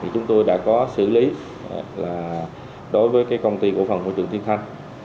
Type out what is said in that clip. chúng tôi đã có xử lý đối với công ty cổ phần môi trường thiên thanh